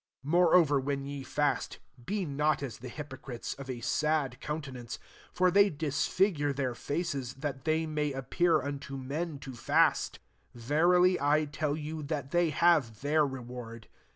16 «« Moreover, when ye fast, be not as the hypocrites, of a sad countenance : for they dis figure their faces, that they may appear unto men to fast Veri ly I tell you, that they have their reward.